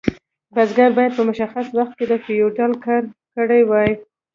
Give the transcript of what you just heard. بزګر باید په مشخص وخت کې د فیوډال کار کړی وای.